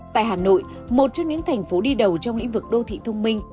tại hà nội một trong những thành phố đi đầu trong lĩnh vực đô thị thông minh